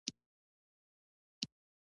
د لبنیاتو بازار موندنه د عوایدو کچه لوړوي.